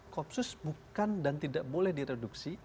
kopsus bukan dan tidak boleh direduksi